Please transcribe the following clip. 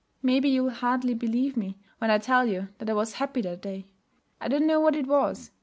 'Maybe you'll hardly believe me when I tell you that I was happy that day. I don't know what it was.